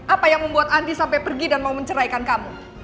apa yang membuat andi sampai pergi dan mau menceraikan kamu